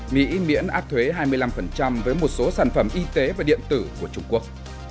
mỹ miễn áp thuế hai mươi năm với một số sản phẩm y tế và điện tử của trung quốc